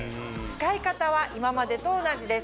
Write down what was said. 使い方は今までと同じです。